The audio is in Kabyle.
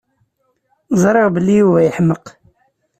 Ẓriɣ belli Yuba yeḥmeq.